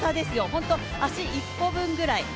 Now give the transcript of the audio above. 本当、足一歩分ぐらい。